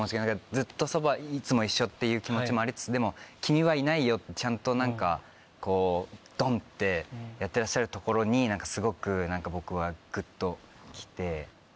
ずっといつも一緒っていう気持ちもありつつでも「君はいないよ」ってちゃんと何かこうドンってやってらっしゃるところにすごく僕はグッと来て。